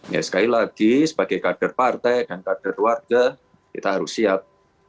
ya sekali lagi sebagai kader partai dan kader warga kita harus siap